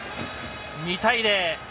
２対０。